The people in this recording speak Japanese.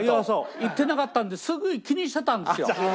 言ってなかったのですごい気にしてたんですよ。